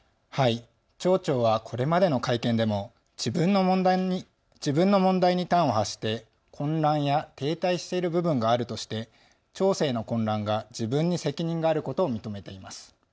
町長はこれまでの会見でも自分の問題に端を発して混乱や停滞している部分があるとして町政の混乱が自分に責任があることを認めています。